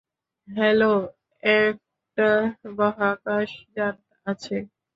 Hello, একটা মহাকাশযান আছে।